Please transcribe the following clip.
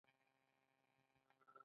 سانتیاګو له خوب تعبیرونکي سره ګوري.